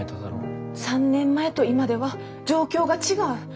３年前と今では状況が違う。